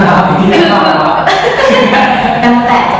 อย่างที่เราเป็น